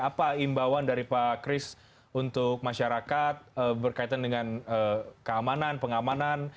apa imbauan dari pak kris untuk masyarakat berkaitan dengan keamanan pengamanan